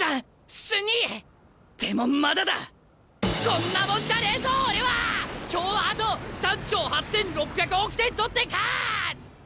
こんなもんじゃねえぞ俺は！今日はあと３兆８，６００億点取って勝つ！